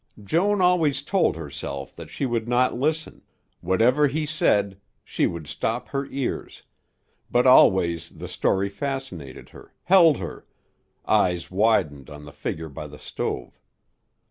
Joan always told herself that she would not listen, whatever he said she would stop her ears, but always the story fascinated her, held her, eyes widened on the figure by the stove.